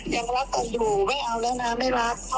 ความกลัวเรื่องน้ำใจของฉานมันมีมากกว่า